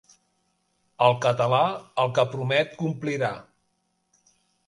El català, el que promet complirà.